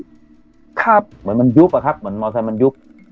เหมือนมอเตอร์ไซค์มันยุบอะครับเหมือนมอเตอร์ไซค์มันยุบ